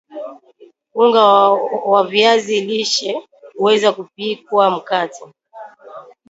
unga wa viazi lishe huweza kupikwa mkate